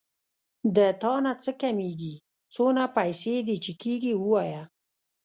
د تانه څه کمېږي څونه پيسې چې دې کېږي ووايه.